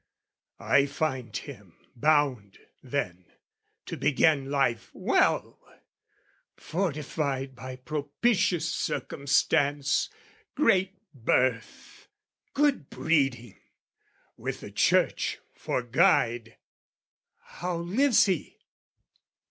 I find him bound, then, to begin life well; Fortified by propitious circumstance, Great birth, good breeding, with the Church for guide. How lives he?